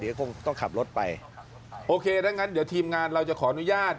เดี๋ยวคงต้องขับรถไปโอเคถ้างั้นเดี๋ยวทีมงานเราจะขออนุญาต